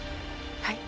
はい。